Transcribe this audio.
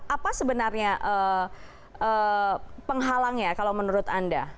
apa sebenarnya penghalangnya kalau menurut anda